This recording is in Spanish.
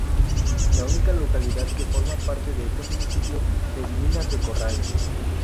La única localidad que forma parte de este municipio es Minas de Corrales.